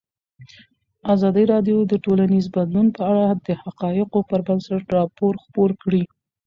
ازادي راډیو د ټولنیز بدلون په اړه د حقایقو پر بنسټ راپور خپور کړی.